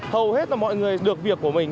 hầu hết là mọi người được việc của mình